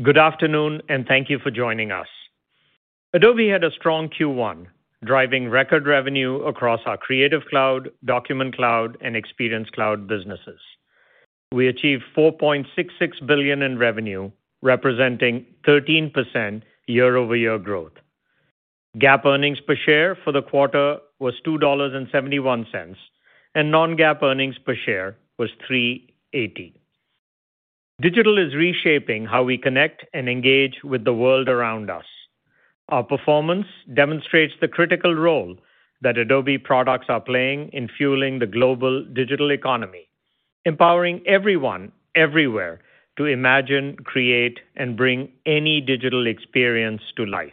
Good afternoon, thank you for joining us. Adobe had a strong Q1, driving record revenue across our Creative Cloud, Document Cloud, and Experience Cloud businesses. We achieved $4.66 billion in revenue, representing 13% year-over-year growth. GAAP earnings per share for the quarter was $2.71, and non-GAAP earnings per share was $3.80. Digital is reshaping how we connect and engage with the world around us. Our performance demonstrates the critical role that Adobe products are playing in fueling the global digital economy, empowering everyone, everywhere to imagine, create, and bring any digital experience to life.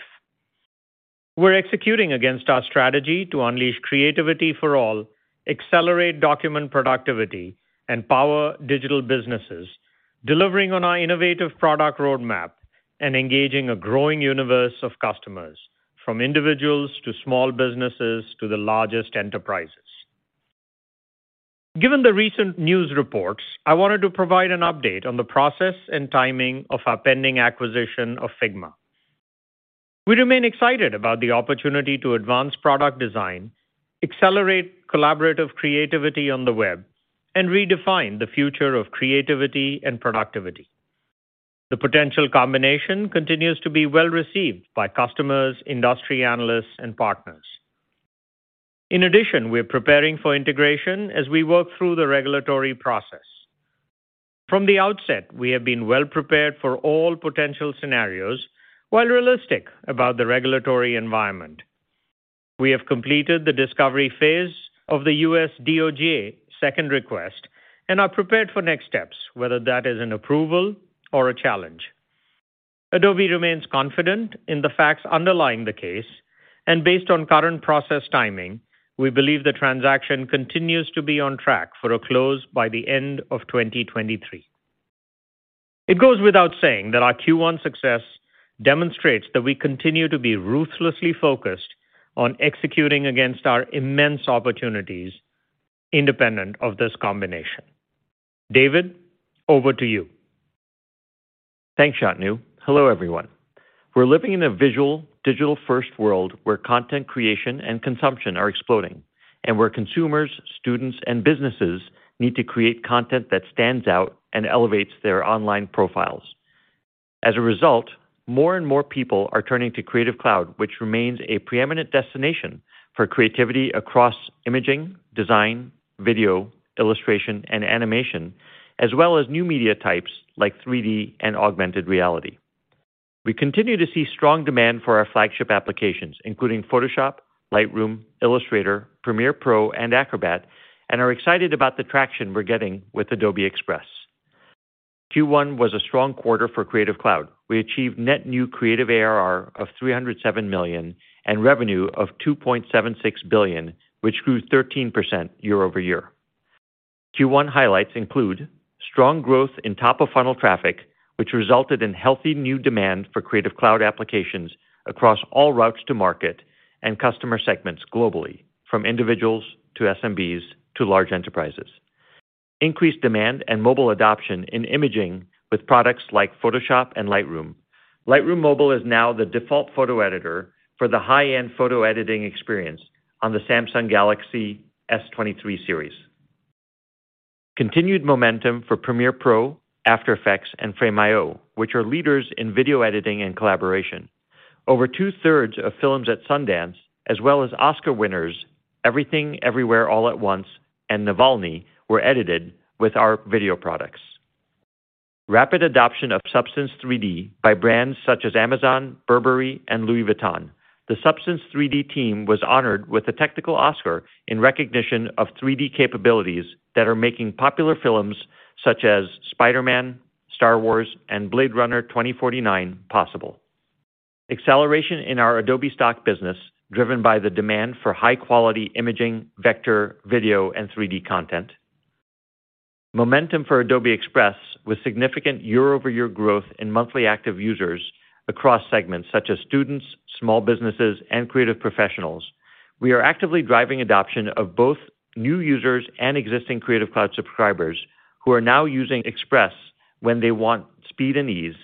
We're executing against our strategy to unleash creativity for all, accelerate document productivity, and power digital businesses, delivering on our innovative product roadmap and engaging a growing universe of customers, from individuals to small businesses to the largest enterprises. Given the recent news reports, I wanted to provide an update on the process and timing of our pending acquisition of Figma. We remain excited about the opportunity to advance product design, accelerate collaborative creativity on the web, and redefine the future of creativity and productivity. The potential combination continues to be well-received by customers, industry analysts, and partners. In addition, we're preparing for integration as we work through the regulatory process. From the outset, we have been well prepared for all potential scenarios while realistic about the regulatory environment. We have completed the discovery phase of the U.S. DOJ second request and are prepared for next steps, whether that is an approval or a challenge. Adobe remains confident in the facts underlying the case. Based on current process timing, we believe the transaction continues to be on track for a close by the end of 2023. It goes without saying that our Q1 success demonstrates that we continue to be ruthlessly focused on executing against our immense opportunities independent of this combination. David, over to you. Thanks, Shantanu. Hello, everyone. We're living in a visual digital-first world where content creation and consumption are exploding, and where consumers, students, and businesses need to create content that stands out and elevates their online profiles. As a result, more and more people are turning to Creative Cloud, which remains a preeminent destination for creativity across imaging, design, video, illustration, and animation, as well as new media types like 3D and augmented reality. We continue to see strong demand for our flagship applications, including Photoshop, Lightroom, Illustrator, Premiere Pro, and Acrobat, and are excited about the traction we're getting with Adobe Express. Q1 was a strong quarter for Creative Cloud. We achieved net new creative ARR of $307 million and revenue of $2.76 billion, which grew 13% year-over-year. Q1 highlights include strong growth in top-of-funnel traffic, which resulted in healthy new demand for Creative Cloud applications across all routes to market and customer segments globally, from individuals to SMBs to large enterprises. Increased demand and mobile adoption in imaging with products like Photoshop and Lightroom. Lightroom Mobile is now the default photo editor for the high-end photo editing experience on the Samsung Galaxy S23 series. Continued momentum for Premiere Pro, After Effects, and Frame.io, which are leaders in video editing and collaboration. Over two-thirds of films at Sundance, as well as Oscar winners, Everything Everywhere All at Once and Navalny were edited with our video products. Rapid adoption of Substance 3D by brands such as Amazon, Burberry, and Louis Vuitton. The Substance 3D team was honored with a technical Oscar in recognition of 3D capabilities that are making popular films such as Spider-Man, Star Wars, and Blade Runner 2049 possible. Acceleration in our Adobe Stock business, driven by the demand for high-quality imaging, vector, video, and 3D content. Momentum for Adobe Express with significant year-over-year growth in monthly active users across segments such as students, small businesses, and creative professionals. We are actively driving adoption of both new users and existing Creative Cloud subscribers who are now using Express when they want speed and ease.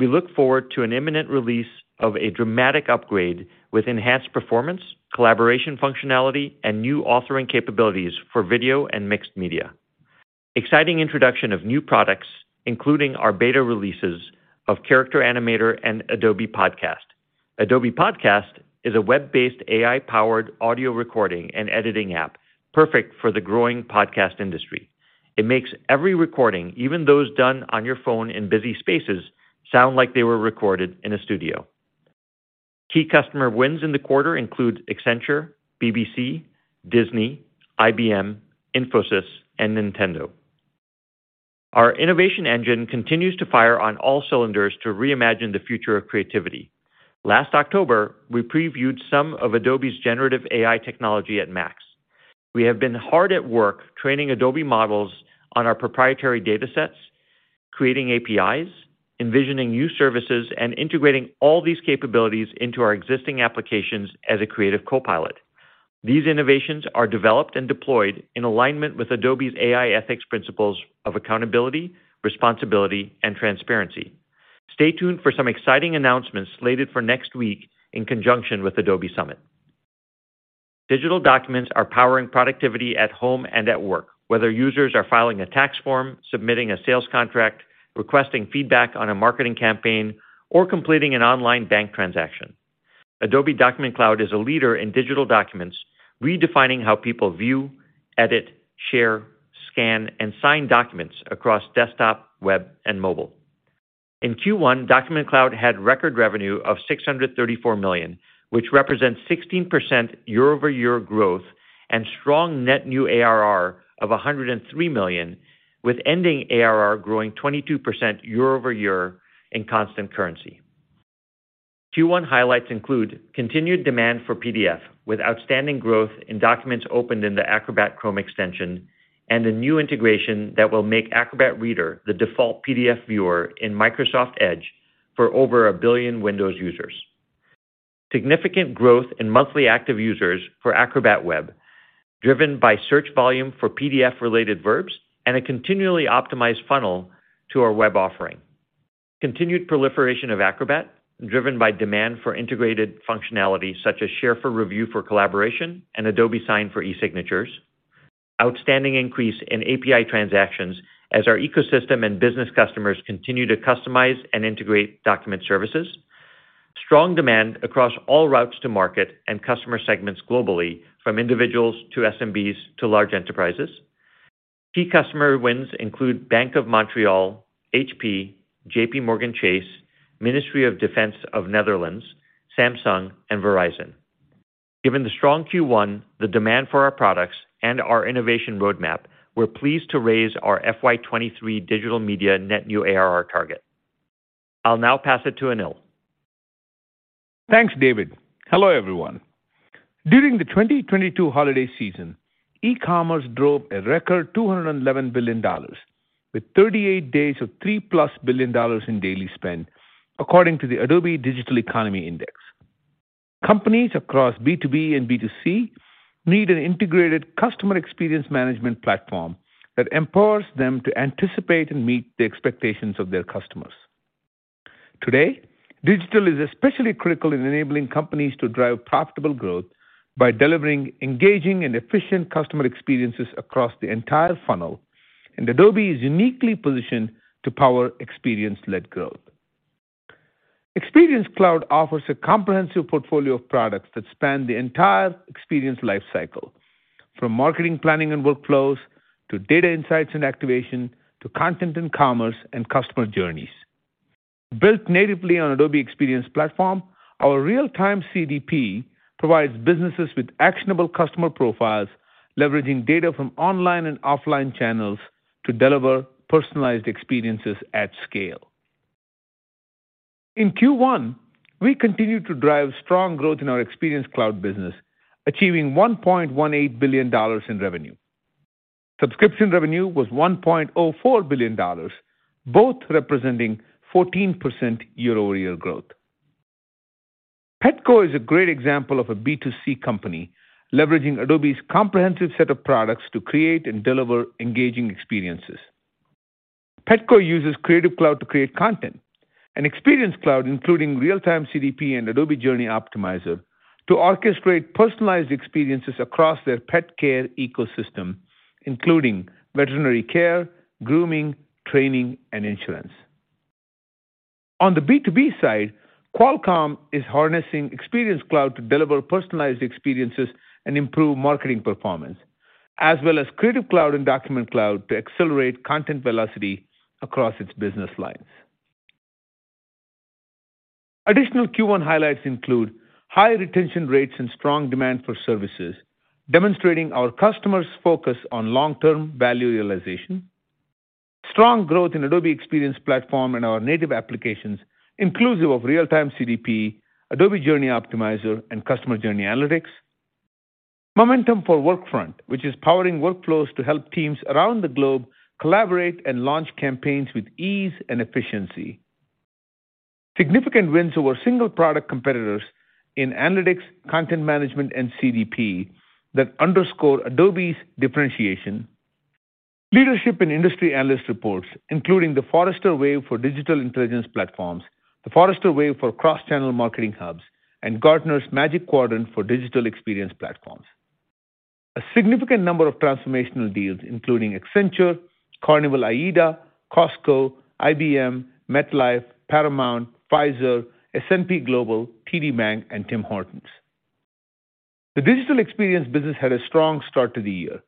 We look forward to an imminent release of a dramatic upgrade with enhanced performance, collaboration functionality, and new authoring capabilities for video and mixed media. Exciting introduction of new products, including our beta releases of Character Animator and Adobe Podcast. Adobe Podcast is a web-based AI-powered audio recording and editing app perfect for the growing podcast industry. It makes every recording, even those done on your phone in busy spaces, sound like they were recorded in a studio. Key customer wins in the quarter include Accenture, BBC, Disney, IBM, Infosys, and Nintendo. Our innovation engine continues to fire on all cylinders to reimagine the future of creativity. Last October, we previewed some of Adobe's generative AI technology at Adobe MAX. We have been hard at work training Adobe models on our proprietary datasets, creating APIs, envisioning new services, and integrating all these capabilities into our existing applications as a creative copilot. These innovations are developed and deployed in alignment with Adobe's AI ethics principles of accountability, responsibility, and transparency. Stay tuned for some exciting announcements slated for next week in conjunction with Adobe Summit. Digital documents are powering productivity at home and at work, whether users are filing a tax form, submitting a sales contract, requesting feedback on a marketing campaign, or completing an online bank transaction. Adobe Document Cloud is a leader in digital documents, redefining how people view, edit, share, scan, and sign documents across desktop, web, and mobile. In Q1, Document Cloud had record revenue of $634 million, which represents 16% year-over-year growth and strong net new ARR of $103 million, with ending ARR growing 22% year-over-year in constant currency. Q1 highlights include continued demand for PDF, with outstanding growth in documents opened in the Adobe Acrobat extension and a new integration that will make Acrobat Reader the default PDF viewer in Microsoft Edge for over 1 billion Windows users. Significant growth in monthly active users for Acrobat Web, driven by search volume for PDF-related verbs and a continually optimized funnel to our web offering. Continued proliferation of Acrobat, driven by demand for integrated functionality such as Share for Review for collaboration and Adobe Sign for e-signatures. Outstanding increase in API transactions as our ecosystem and business customers continue to customize and integrate document services. Strong demand across all routes to market and customer segments globally from individuals to SMBs to large enterprises. Key customer wins include Bank of Montreal, HP, JPMorgan Chase, Ministry of Defence of Netherlands, Samsung, and Verizon. Given the strong Q1, the demand for our products, and our innovation roadmap, we're pleased to raise our FY '23 digital media net new ARR target. I'll now pass it to Anil. Thanks, David. Hello, everyone. During the 2022 holiday season, e-commerce drove a record $211 billion with 38 days of $3+ billion in daily spend, according to the Adobe Digital Economy Index. Companies across B2B and B2C need an integrated customer experience management platform that empowers them to anticipate and meet the expectations of their customers. Today, digital is especially critical in enabling companies to drive profitable growth by delivering engaging and efficient customer experiences across the entire funnel, and Adobe is uniquely positioned to power experience-led growth. Experience Cloud offers a comprehensive portfolio of products that span the entire experience life cycle, from marketing, planning, and workflows to data insights and activation to content and commerce and customer journeys. Built natively on Adobe Experience Platform, our real-time CDP provides businesses with actionable customer profiles, leveraging data from online and offline channels to deliver personalized experiences at scale. In Q1, we continued to drive strong growth in our Experience Cloud business, achieving $1.18 billion in revenue. Subscription revenue was $1.04 billion, both representing 14% year-over-year growth. Petco is a great example of a B2C company leveraging Adobe's comprehensive set of products to create and deliver engaging experiences. Petco uses Creative Cloud to create content and Experience Cloud, including real-time CDP and Adobe Journey Optimizer, to orchestrate personalized experiences across their pet care ecosystem, including veterinary care, grooming, training, and insurance. On the B2B side, Qualcomm is harnessing Experience Cloud to deliver personalized experiences and improve marketing performance, as well as Creative Cloud and Document Cloud to accelerate content velocity across its business lines. Additional Q1 highlights include high retention rates and strong demand for services, demonstrating our customers' focus on long-term value realization. Strong growth in Adobe Experience Platform and our native applications, inclusive of real-time CDP, Adobe Journey Optimizer, and Customer Journey Analytics. Momentum for Workfront, which is powering workflows to help teams around the globe collaborate and launch campaigns with ease and efficiency. Significant wins over single product competitors in analytics, content management, and CDP that underscore Adobe's differentiation. Leadership in industry analyst reports, including The Forrester Wave for Digital Intelligence Platforms, The Forrester Wave for Cross-Channel Marketing Hubs, and Gartner's Magic Quadrant for Digital Experience Platforms. A significant number of transformational deals, including Accenture, Carnival AIDA, Costco, IBM, MetLife, Paramount, Pfizer, S&P Global, TD Bank, and Tim Hortons. The digital experience business had a strong start to the year.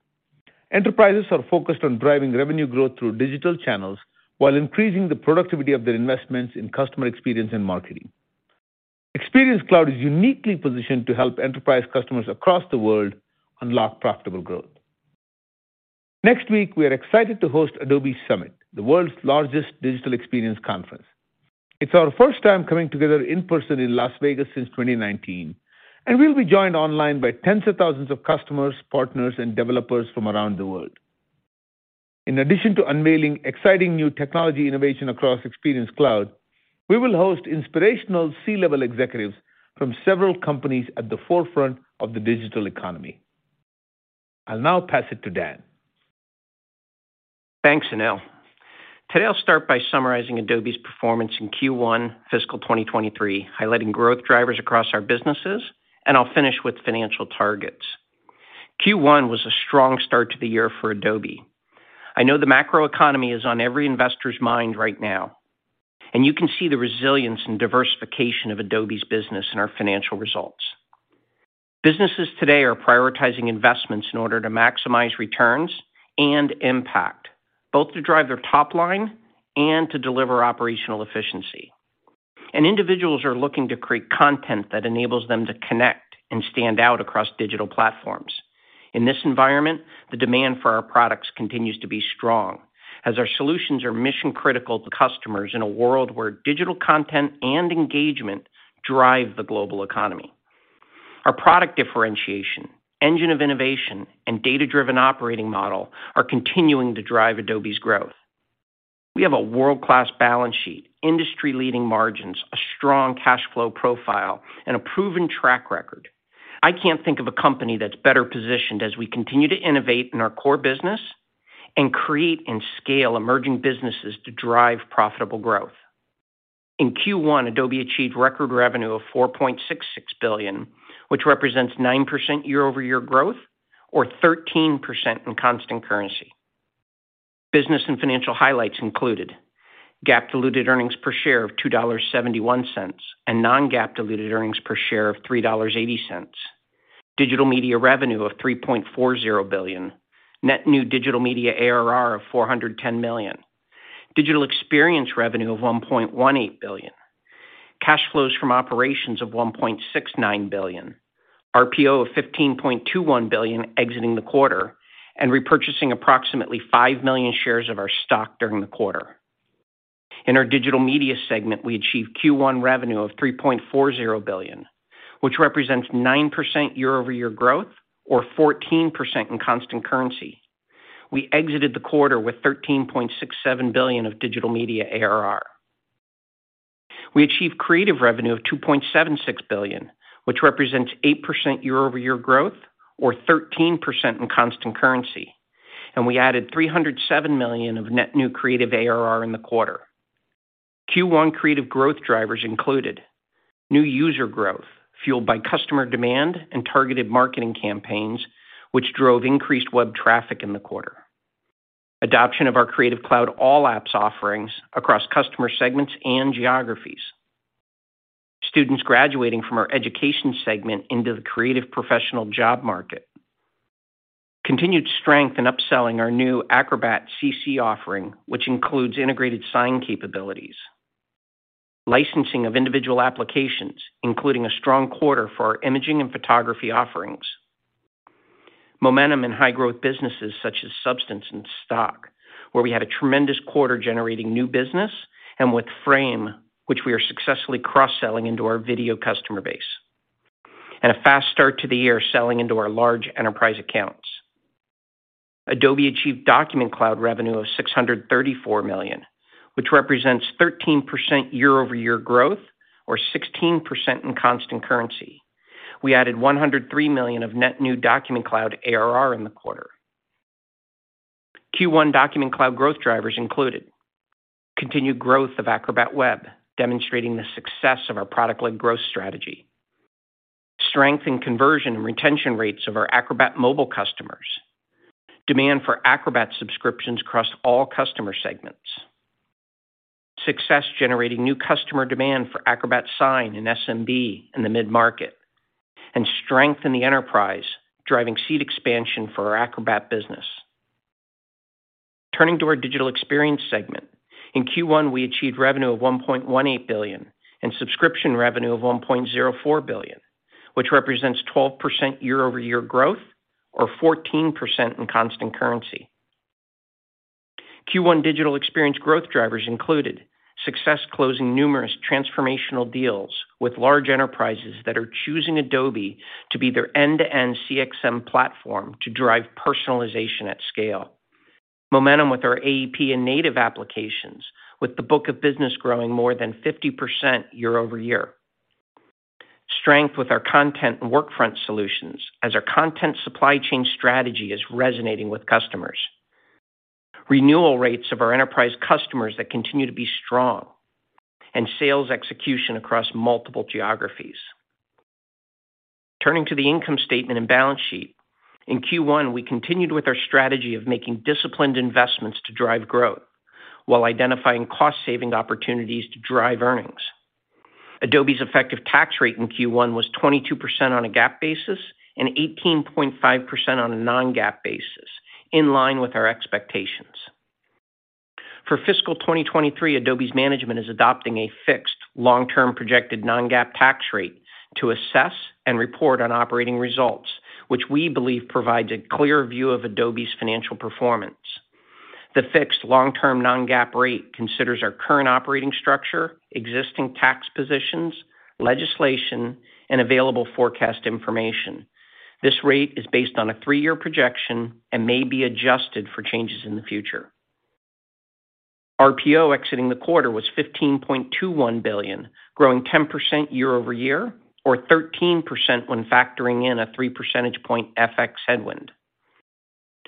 Enterprises are focused on driving revenue growth through digital channels while increasing the productivity of their investments in customer experience and marketing. Experience Cloud is uniquely positioned to help enterprise customers across the world unlock profitable growth. Next week, we are excited to host Adobe Summit, the world's largest digital experience conference. It's our first time coming together in person in Las Vegas since 2019, and we'll be joined online by tens of thousands of customers, partners, and developers from around the world. In addition to unveiling exciting new technology innovation across Experience Cloud, we will host inspirational C-level executives from several companies at the forefront of the digital economy. I'll now pass it to Dan. Thanks, Anil. Today, I'll start by summarizing Adobe's performance in Q1 fiscal 2023, highlighting growth drivers across our businesses, and I'll finish with financial targets. Q1 was a strong start to the year for Adobe. I know the macroeconomy is on every investor's mind right now, and you can see the resilience and diversification of Adobe's business in our financial results. Businesses today are prioritizing investments in order to maximize returns and impact, both to drive their top line and to deliver operational efficiency. Individuals are looking to create content that enables them to connect and stand out across digital platforms. In this environment, the demand for our products continues to be strong as our solutions are mission-critical to customers in a world where digital content and engagement drive the global economy. Our product differentiation, engine of innovation, and Data-Driven Operating Model are continuing to drive Adobe's growth. We have a world-class balance sheet, industry-leading margins, a strong cash flow profile, and a proven track record. I can't think of a company that's better positioned as we continue to innovate in our core business and create and scale emerging businesses to drive profitable growth. In Q1, Adobe achieved record revenue of $4.66 billion, which represents 9% year-over-year growth or 13% in constant currency. Business and financial highlights included GAAP diluted earnings per share of $2.71 and non-GAAP diluted earnings per share of $3.80. Digital Media revenue of $3.40 billion. Net new Digital Media ARR of $410 million. Digital Experience revenue of $1.18 billion. Cash flows from operations of $1.69 billion. RPO of $15.21 billion exiting the quarter. Repurchasing approximately 5 million shares of our stock during the quarter. In our Digital Media segment, we achieved Q1 revenue of $3.40 billion, which represents 9% year-over-year growth or 14% in constant currency. We exited the quarter with $13.67 billion of Digital Media ARR. We achieved Creative revenue of $2.76 billion, which represents 8% year-over-year growth or 13% in constant currency. We added $307 million of net new Creative ARR in the quarter. Q1 Creative growth drivers included new user growth fueled by customer demand and targeted marketing campaigns, which drove increased web traffic in the quarter. Adoption of our Creative Cloud All Apps offerings across customer segments and geographies. Students graduating from our education segment into the creative professional job market. Continued strength in upselling our new Acrobat CC offering, which includes integrated sign capabilities. Licensing of individual applications, including a strong quarter for our imaging and photography offerings. Momentum in high-growth businesses such as Substance and Stock, where we had a tremendous quarter generating new business, and with Frame, which we are successfully cross-selling into our video customer base. A fast start to the year selling into our large enterprise accounts. Adobe achieved Document Cloud revenue of $634 million, which represents 13% year-over-year growth or 16% in constant currency. We added $103 million of net new Document Cloud ARR in the quarter. Q1 Document Cloud growth drivers included continued growth of Acrobat Web, demonstrating the success of our product-led growth strategy. Strength in conversion and retention rates of our Acrobat Mobile customers. Demand for Acrobat subscriptions across all customer segments. Success generating new customer demand for Acrobat Sign in SMB in the mid-market, and strength in the enterprise, driving seat expansion for our Acrobat business. Turning to our Digital Experience segment, in Q1, we achieved revenue of $1.18 billion and subscription revenue of $1.04 billion, which represents 12% year-over-year growth or 14% in constant currency. Q1 Digital Experience growth drivers included success closing numerous transformational deals with large enterprises that are choosing Adobe to be their end-to-end CXM platform to drive personalization at scale. Momentum with our AEP and native applications, with the book of business growing more than 50% year-over-year. Strength with our content and Workfront solutions as our content supply chain strategy is resonating with customers. Renewal rates of our enterprise customers that continue to be strong. Sales execution across multiple geographies. Turning to the income statement and balance sheet. In Q1, we continued with our strategy of making disciplined investments to drive growth while identifying cost-saving opportunities to drive earnings. Adobe's effective tax rate in Q1 was 22% on a GAAP basis and 18.5% on a non-GAAP basis, in line with our expectations. For fiscal 2023, Adobe's management is adopting a fixed long-term projected non-GAAP tax rate to assess and report on operating results, which we believe provides a clear view of Adobe's financial performance. The fixed long-term non-GAAP rate considers our current operating structure, existing tax positions-Legislation, and available forecast information. This rate is based on a 3-year projection and may be adjusted for changes in the future. RPO exiting the quarter was $15.21 billion, growing 10% year over year, or 13% when factoring in a 3 percentage point FX headwind.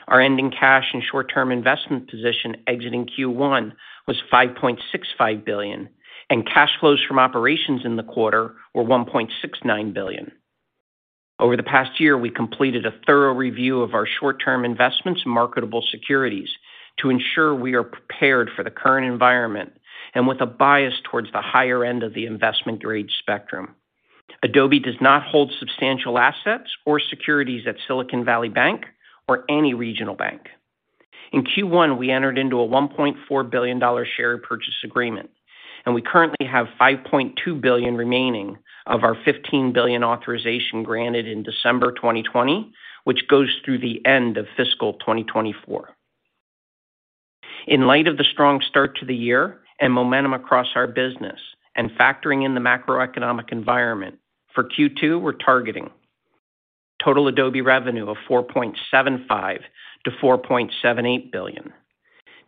Our ending cash and short-term investment position exiting Q1 was $5.65 billion, and cash flows from operations in the quarter were $1.69 billion. Over the past year, we completed a thorough review of our short-term investments and marketable securities to ensure we are prepared for the current environment and with a bias towards the higher end of the investment grade spectrum. Adobe does not hold substantial assets or securities at Silicon Valley Bank or any regional bank. In Q1, we entered into a $1.4 billion share purchase agreement, and we currently have $5.2 billion remaining of our $15 billion authorization granted in December 2020, which goes through the end of fiscal 2024. In light of the strong start to the year and momentum across our business and factoring in the macroeconomic environment, for Q2, we're targeting total Adobe revenue of $4.75 billion-$4.78 billion,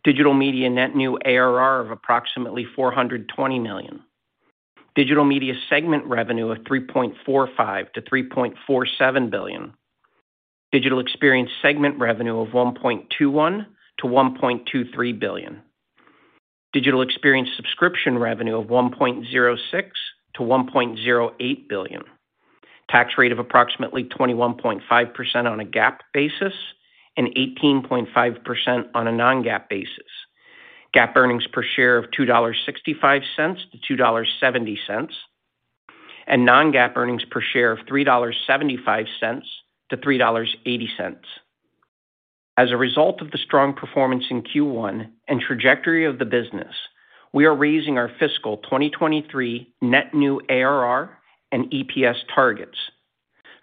Digital Media net new ARR of approximately $420 million, Digital Media segment revenue of $3.45 billion-$3.47 billion, Digital Experience segment revenue of $1.21 billion-$1.23 billion, Digital Experience subscription revenue of $1.06 billion-$1.08 billion, tax rate of approximately 21.5% on a GAAP basis and 18.5% on a non-GAAP basis, GAAP earnings per share of $2.65-$2.70, and non-GAAP earnings per share of $3.75-$3.80. As a result of the strong performance in Q1 and trajectory of the business, we are raising our fiscal 2023 net new ARR and EPS targets.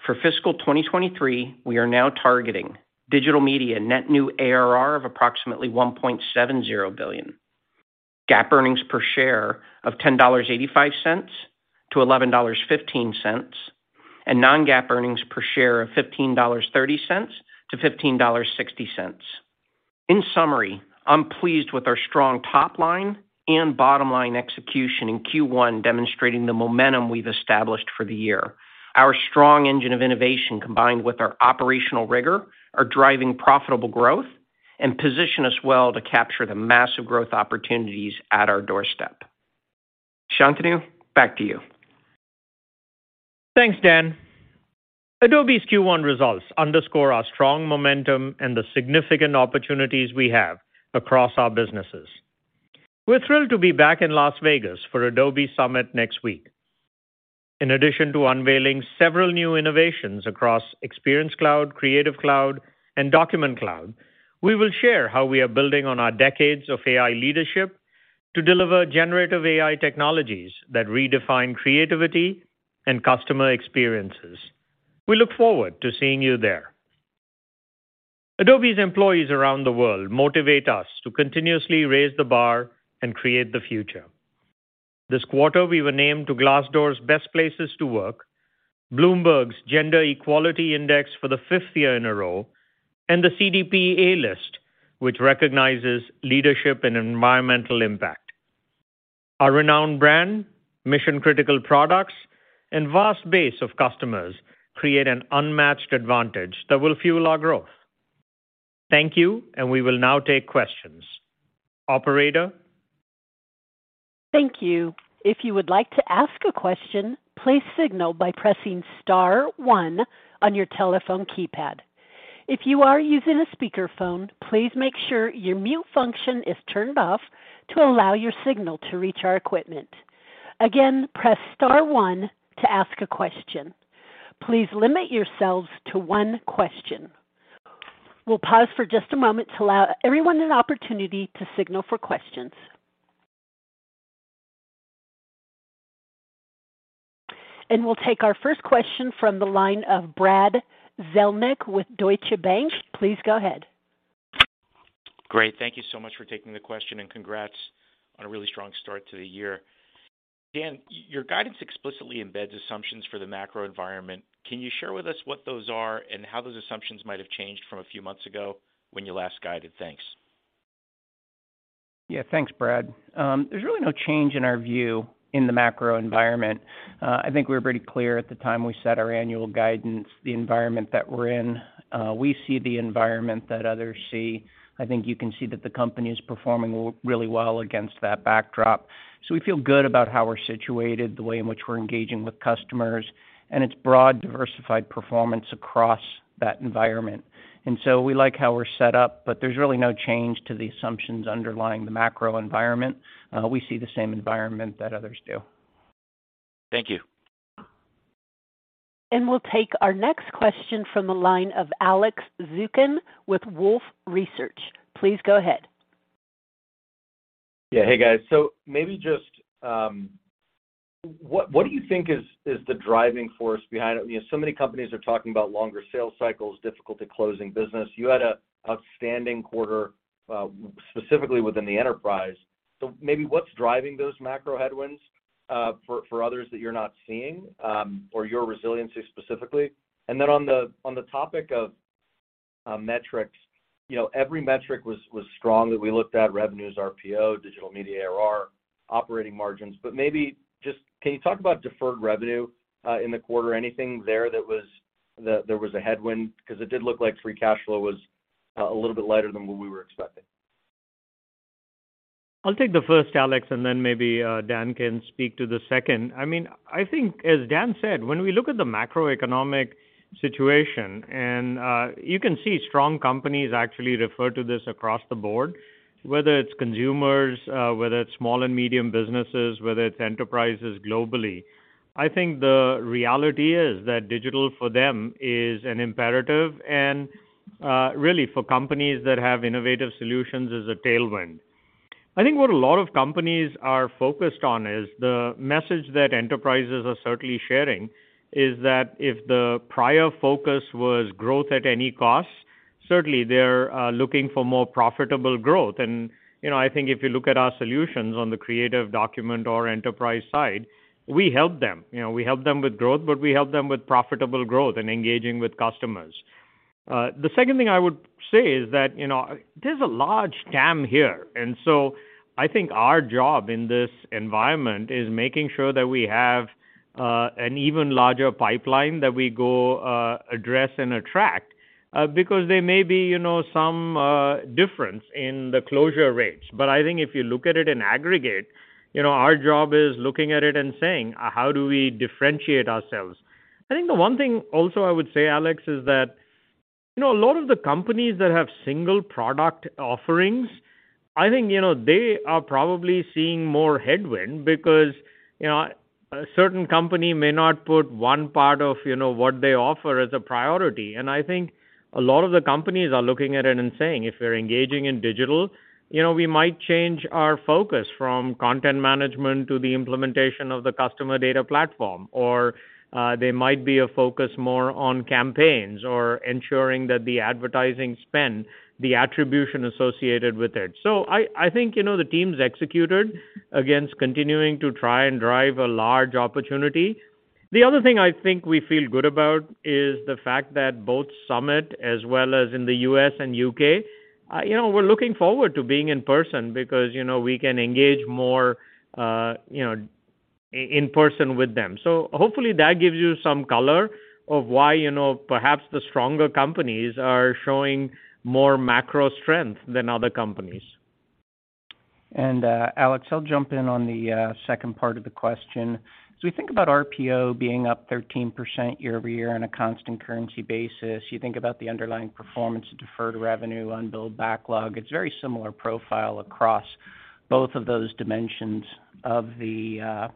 For fiscal 2023, we are now targeting Digital Media net new ARR of approximately $1.70 billion, GAAP earnings per share of $10.85-$11.15, and non-GAAP earnings per share of $15.30-$15.60. In summary, I'm pleased with our strong top line and bottom-line execution in Q1, demonstrating the momentum we've established for the year. Our strong engine of innovation, combined with our operational rigor, are driving profitable growth and position us well to capture the massive growth opportunities at our doorstep. Shantanu, back to you. Thanks, Dan. Adobe's Q1 results underscore our strong momentum and the significant opportunities we have across our businesses. We're thrilled to be back in Las Vegas for Adobe Summit next week. In addition to unveiling several new innovations across Experience Cloud, Creative Cloud, and Document Cloud, we will share how we are building on our decades of AI leadership to deliver generative AI technologies that redefine creativity and customer experiences. We look forward to seeing you there. Adobe's employees around the world motivate us to continuously raise the bar and create the future. This quarter, we were named to Glassdoor's Best Places to Work, Bloomberg Gender-Equality Index for the fifth year in a row, and the CDP A List, which recognizes leadership and environmental impact. Our renowned brand, mission-critical products, and vast base of customers create an unmatched advantage that will fuel our growth. Thank you, and we will now take questions. Operator? Thank you. If you would like to ask a question, please signal by pressing star one on your telephone keypad. If you are using a speakerphone, please make sure your mute function is turned off to allow your signal to reach our equipment. Again, press star one to ask a question. Please limit yourselves to one question. We'll pause for just a moment to allow everyone an opportunity to signal for questions. We'll take our first question from the line of Brad Zelnick with Deutsche Bank. Please go ahead. Great. Thank you so much for taking the question, and congrats on a really strong start to the year. Dan, your guidance explicitly embeds assumptions for the macro environment. Can you share with us what those are and how those assumptions might have changed from a few months ago when you last guided? Thanks. Yeah, thanks, Brad. There's really no change in our view in the macro environment. I think we were pretty clear at the time we set our annual guidance, the environment that we're in. We see the environment that others see. I think you can see that the company is performing really well against that backdrop. We feel good about how we're situated, the way in which we're engaging with customers, and its broad diversified performance across that environment. We like how we're set up, but there's really no change to the assumptions underlying the macro environment. We see the same environment that others do. Thank you. We'll take our next question from the line of Alex Zukin with Wolfe Research. Please go ahead. Yeah. Hey, guys. Maybe just what do you think is the driving force behind it? You know, so many companies are talking about longer sales cycles, difficulty closing business. You had a outstanding quarter specifically within the enterprise. What's driving those macro headwinds for others that you're not seeing or your resiliency specifically? On the topic of metrics, you know, every metric was strong that we looked at revenues, RPO, digital media RR, operating margins. Maybe just can you talk about deferred revenue in the quarter? Anything there that there was a headwind? 'Cause it did look like free cash flow was a little bit lighter than what we were expecting. I'll take the first, Alex, and then maybe Dan can speak to the second. I mean, I think as Dan said, when we look at the macroeconomic situation, you can see strong companies actually refer to this across the board, whether it's consumers, whether it's small and medium businesses, whether it's enterprises globally. I think the reality is that digital for them is an imperative and really for companies that have innovative solutions is a tailwind. I think what a lot of companies are focused on is the message that enterprises are certainly sharing, is that if the prior focus was growth at any cost, certainly they're looking for more profitable growth. You know, I think if you look at our solutions on the creative document or enterprise side, we help them. You know, we help them with growth, but we help them with profitable growth and engaging with customers. The second thing I would say is that, you know, there's a large dam here. I think our job in this environment is making sure that we have an even larger pipeline that we go address and attract, because there may be, you know, some difference in the closure rates. I think if you look at it in aggregate, you know, our job is looking at it and saying, "How do we differentiate ourselves?" I think the one thing also I would say, Alex, is that, you know, a lot of the companies that have single product offerings, I think, you know, they are probably seeing more headwind because, you know, a certain company may not put one part of, you know, what they offer as a priority. I think a lot of the companies are looking at it and saying, "If we're engaging in digital, you know, we might change our focus from content management to the implementation of the customer data platform. Or, they might be a focus more on campaigns or ensuring that the advertising spend, the attribution associated with it. I think, you know, the team's executed against continuing to try and drive a large opportunity. The other thing I think we feel good about is the fact that both Adobe Summit as well as in the U.S. and U.K., you know, we're looking forward to being in person because, you know, we can engage more, you know, in person with them. Hopefully that gives you some color of why, you know, perhaps the stronger companies are showing more macro strength than other companies. Alex, I'll jump in on the second part of the question. We think about RPO being up 13% year-over-year on a constant currency basis. You think about the underlying performance, deferred revenue, unbilled backlog. It's very similar profile across both of those dimensions of the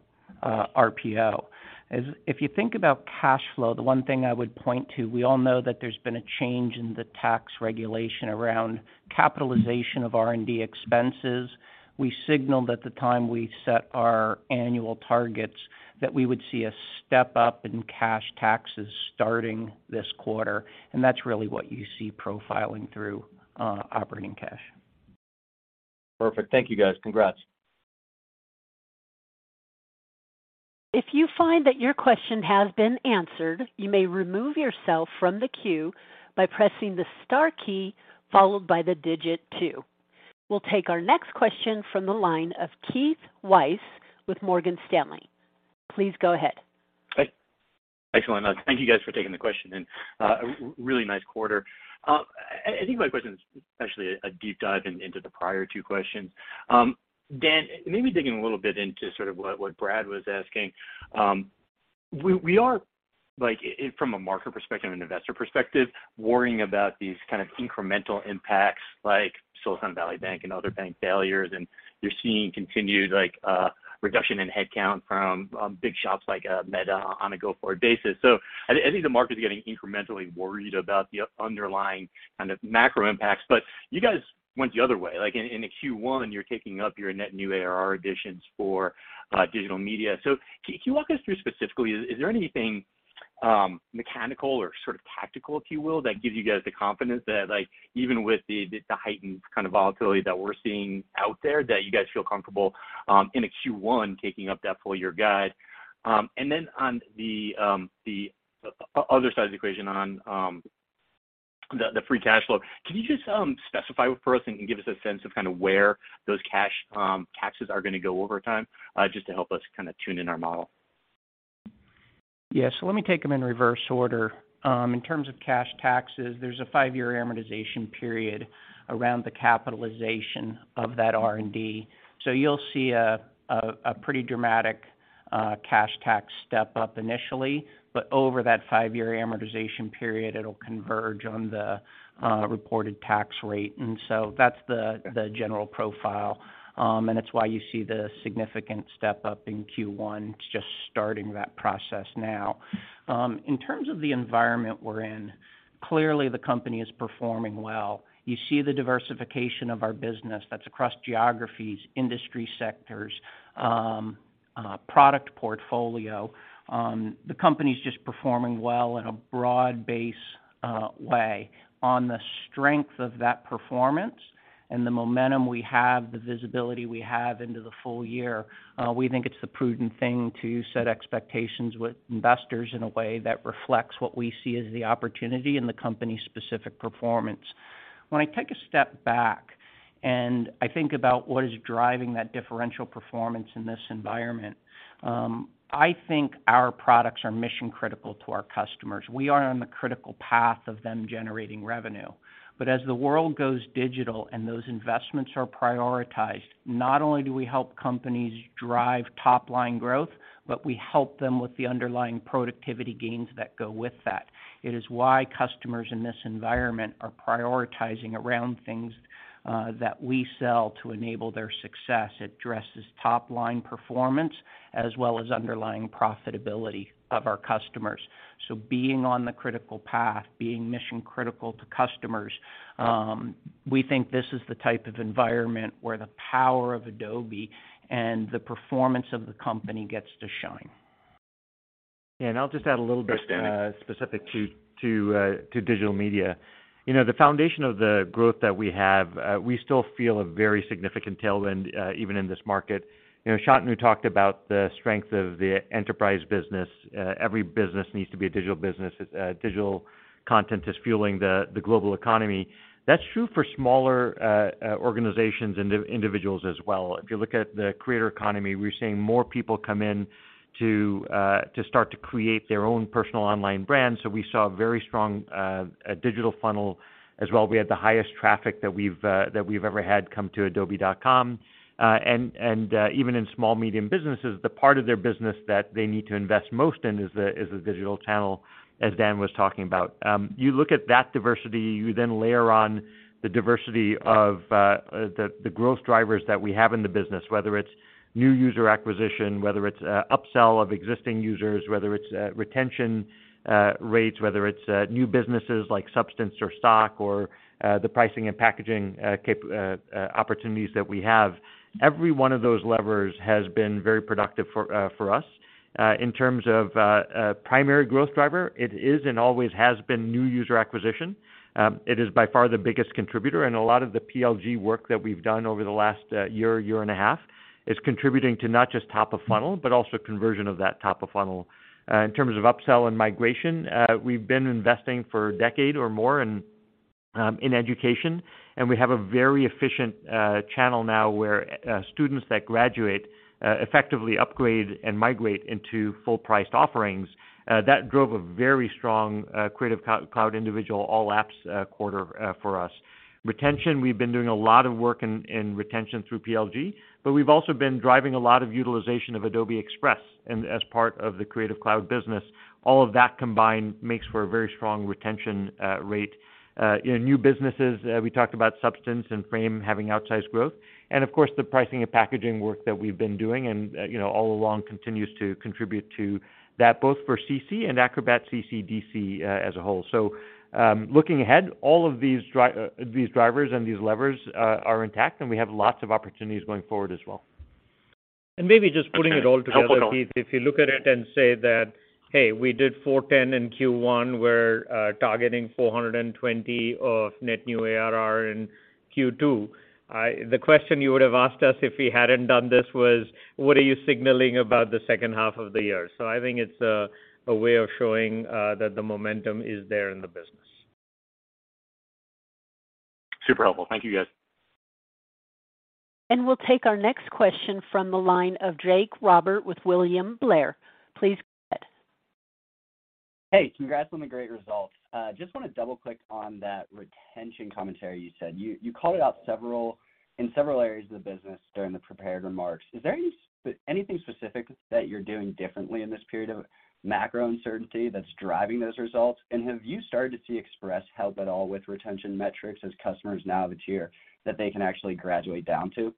RPO. If you think about cash flow, the one thing I would point to, we all know that there's been a change in the tax regulation around capitalization of R&D expenses. We signaled at the time we set our annual targets that we would see a step up in cash taxes starting this quarter, that's really what you see profiling through operating cash. Perfect. Thank you, guys. Congrats. If you find that your question has been answered, you may remove yourself from the queue by pressing the star key followed by the digit 2. We'll take our next question from the line of Keith Weiss with Morgan Stanley. Please go ahead. Hi. Thanks so much. Thank you guys for taking the question, and really nice quarter. I think my question is actually a deep dive into the prior two questions. Dan, maybe digging a little bit into sort of what Brad was asking, we are like from a market perspective and investor perspective, worrying about these kind of incremental impacts like Silicon Valley Bank and other bank failures, and you're seeing continued like reduction in headcount from big shops like Meta on a go-forward basis. I think the market's getting incrementally worried about the underlying kind of macro impacts. You guys went the other way. Like in Q1, you're taking up your net new ARR additions for digital media. Can you walk us through specifically, is there anything mechanical or sort of tactical, if you will, that gives you guys the confidence that like, even with the heightened kind of volatility that we're seeing out there, that you guys feel comfortable in a Q1 taking up that full year guide? On the other side of the equation on the free cash flow, can you just specify for us and give us a sense of kind of where those cash taxes are gonna go over time, just to help us kinda tune in our model? Let me take them in reverse order. In terms of cash taxes, there's a 5-year amortization period around the capitalization of that R&D. You'll see a pretty dramatic cash tax step up initially, but over that 5-year amortization period, it'll converge on the reported tax rate. That's the general profile, and it's why you see the significant step up in Q1 just starting that process now. In terms of the environment we're in, clearly the company is performing well. You see the diversification of our business that's across geographies, industry sectors, product portfolio. The company's just performing well in a broad-based way. On the strength of that performance. The momentum we have, the visibility we have into the full year, we think it's the prudent thing to set expectations with investors in a way that reflects what we see as the opportunity and the company's specific performance. When I take a step back, and I think about what is driving that differential performance in this environment, I think our products are mission-critical to our customers. We are on the critical path of them generating revenue. As the world goes digital and those investments are prioritized, not only do we help companies drive top-line growth, but we help them with the underlying productivity gains that go with that. It is why customers in this environment are prioritizing around things that we sell to enable their success. It addresses top-line performance as well as underlying profitability of our customers. Being on the critical path, being mission critical to customers, we think this is the type of environment where the power of Adobe and the performance of the company gets to shine. I'll just add a little bit.... specific to digital media. You know, the foundation of the growth that we have, we still feel a very significant tailwind, even in this market. You know, Shantanu talked about the strength of the enterprise business. Every business needs to be a digital business. Digital content is fueling the global economy. That's true for smaller organizations and individuals as well. If you look at the creator economy, we're seeing more people come in to start to create their own personal online brand. We saw a very strong digital funnel as well. We had the highest traffic that we've ever had come to Adobe.com. Even in small, medium businesses, the part of their business that they need to invest most in is the digital channel, as Dan was talking about. You look at that diversity, you then layer on the diversity of the growth drivers that we have in the business, whether it's new user acquisition, whether it's upsell of existing users, whether it's retention rates, whether it's new businesses like Substance or Stock or the pricing and packaging opportunities that we have. Every one of those levers has been very productive for us. In terms of primary growth driver, it is and always has been new user acquisition. It is by far the biggest contributor, and a lot of the PLG work that we've done over the last year and a half is contributing to not just top of funnel, but also conversion of that top of funnel. In terms of upsell and migration, we've been investing for a decade or more in education, and we have a very efficient channel now where students that graduate effectively upgrade and migrate into full-priced offerings. That drove a very strong Creative Cloud individual All Apps quarter for us. Retention, we've been doing a lot of work in retention through PLG, but we've also been driving a lot of utilization of Adobe Express and as part of the Creative Cloud business. All of that combined makes for a very strong retention rate. You know, new businesses, we talked about Substance and Frame having outsized growth. Of course, the pricing and packaging work that we've been doing and, you know, all along continues to contribute to that, both for CC and Acrobat CC/DC as a whole. Looking ahead, all of these drivers and these levers are intact, and we have lots of opportunities going forward as well. Maybe just putting it all together, Keith, if you look at it and say that, "Hey, we did $410 in Q1. We're targeting $420 of net new ARR in Q2." The question you would have asked us if we hadn't done this was: What are you signaling about the second half of the year? I think it's a way of showing that the momentum is there in the business. Super helpful. Thank you, guys. We'll take our next question from the line of Jake Roberge with William Blair. Please go ahead. Hey, congrats on the great results. Just wanna double-click on that retention commentary you said. You called it out in several areas of the business during the prepared remarks. Is there anything specific that you're doing differently in this period of macro uncertainty that's driving those results? Have you started to see Express help at all with retention metrics as customers now have a tier that they can actually graduate down to?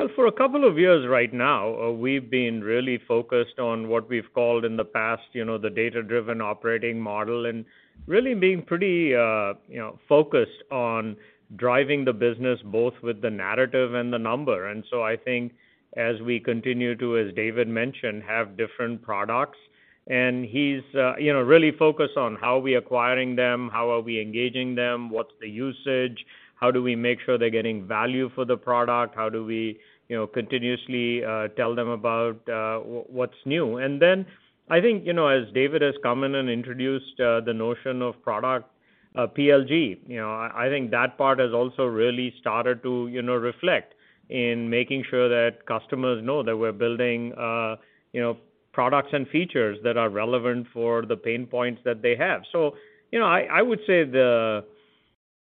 Well, for a couple of years right now, we've been really focused on what we've called in the past, you know, the Data-Driven Operating Model and really being pretty, you know, focused on driving the business both with the narrative and the number. I think as we continue to, as David mentioned, have different products, and he's, you know, really focused on how are we acquiring them, how are we engaging them, what's the usage, how do we make sure they're getting value for the product, how do we, you know, continuously tell them about what's new. I think, you know, as David has come in and introduced the notion of product, PLG, you know, I think that part has also really started to, you know, reflect in making sure that customers know that we're building, you know, products and features that are relevant for the pain points that they have. You know, I would say the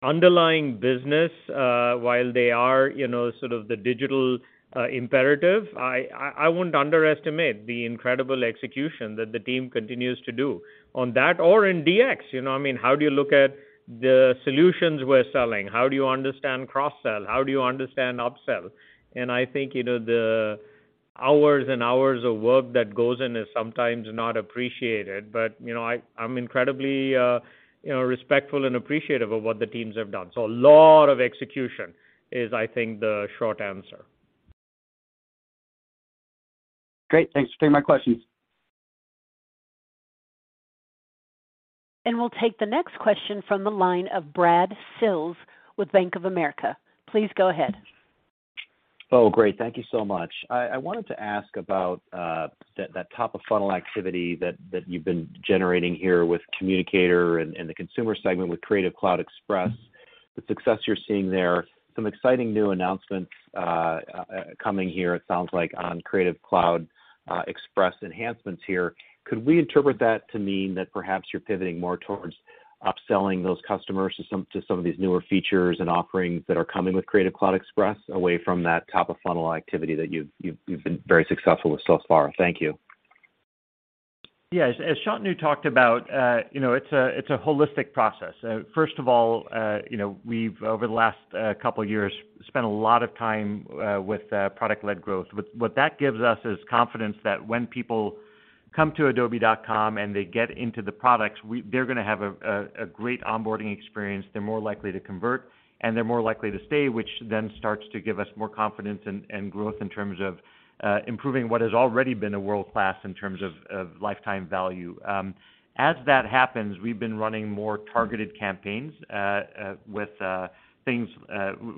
underlying business, while they are, you know, sort of the digital imperative, I, I wouldn't underestimate the incredible execution that the team continues to do on that or in DX. You know, I mean, how do you look at the solutions we're selling? How do you understand cross-sell? How do you understand upsell? I think, you know, the hours and hours of work that goes in is sometimes not appreciated, but, you know, I'm incredibly, you know, respectful and appreciative of what the teams have done. A lot of execution is, I think, the short answer. Great. Thanks for taking my questions. We'll take the next question from the line of Brad Sills with Bank of America. Please go ahead. Oh, great. Thank you so much. I wanted to ask about that top of funnel activity that you've been generating here with Communicator and the consumer segment with Creative Cloud Express, the success you're seeing there, some exciting new announcements coming here, it sounds like on Creative Cloud Express enhancements here. Could we interpret that to mean that perhaps you're pivoting more towards upselling those customers to some of these newer features and offerings that are coming with Creative Cloud Express away from that top of funnel activity that you've been very successful with so far? Thank you. Yeah. As Shantanu talked about, you know, it's a holistic process. First of all, you know, we've over the last couple years spent a lot of time with product-led growth. What that gives us is confidence that when people come to adobe.com, and they get into the products, they're gonna have a great onboarding experience. They're more likely to convert, and they're more likely to stay, which then starts to give us more confidence and growth in terms of improving what has already been a world-class in terms of lifetime value. As that happens, we've been running more targeted campaigns with things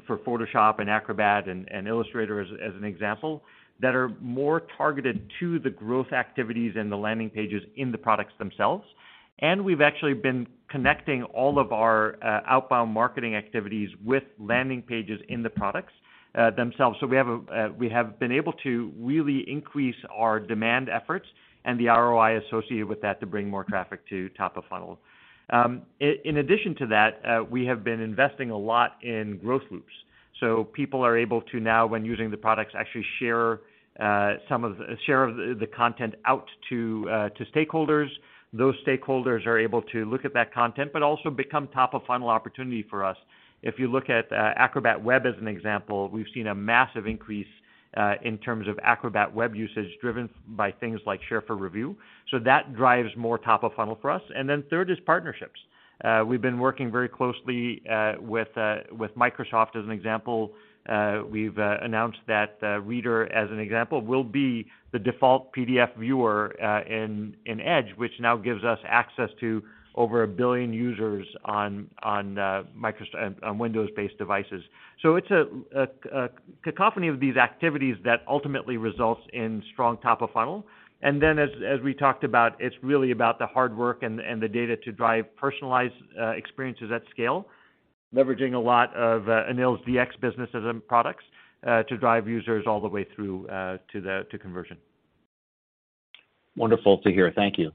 for Photoshop and Acrobat and Illustrator as an example, that are more targeted to the growth activities and the landing pages in the products themselves. We've actually been connecting all of our outbound marketing activities with landing pages in the products themselves. We have been able to really increase our demand efforts and the ROI associated with that to bring more traffic to top of funnel. In addition to that, we have been investing a lot in growth loops, so people are able to now when using the products actually share of the content out to stakeholders. Those stakeholders are able to look at that content but also become top of funnel opportunity for us. If you look at Acrobat Web as an example, we've seen a massive increase in terms of Acrobat Web usage driven by things like Share for Review. That drives more top of funnel for us. Then third is partnerships. We've been working very closely with Microsoft as an example. We've announced that Reader, as an example, will be the default PDF viewer in Edge, which now gives us access to over 1 billion users on Windows-based devices. It's a cacophony of these activities that ultimately results in strong top of funnel. As we talked about, it's really about the hard work and the data to drive personalized experiences at scale, leveraging a lot of Anil's DX businesses and products to drive users all the way through to conversion. Wonderful to hear. Thank you.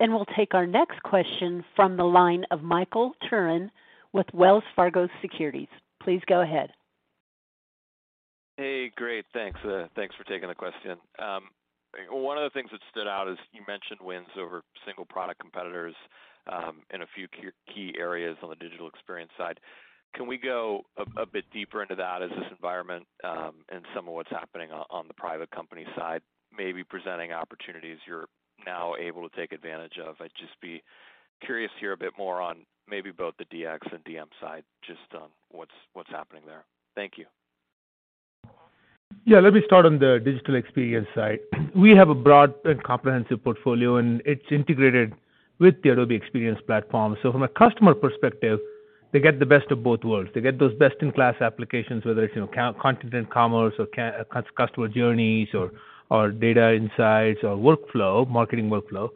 We'll take our next question from the line of Michael Turrin with Wells Fargo Securities. Please go ahead. Hey, great. Thanks for taking the question. One of the things that stood out is you mentioned wins over single product competitors in a few key areas on the Digital Experience side. Can we go a bit deeper into that as this environment, and some of what's happening on the private company side may be presenting opportunities you're now able to take advantage of? I'd just be curious to hear a bit more on maybe both the DX and DM side, just on what's happening there. Thank you. Yeah. Let me start on the digital experience side. We have a broad and comprehensive portfolio, and it's integrated with the Adobe Experience Platform. From a customer perspective, they get the best of both worlds. They get those best-in-class applications, whether it's, you know, content and commerce or customer journeys or data insights or workflow, marketing workflow.